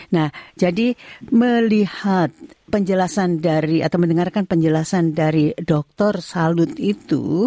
nah jadi melihat penjelasan dari atau mendengarkan penjelasan dari dr salut itu